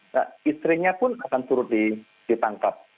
nah istrinya pun akan turut ditangkap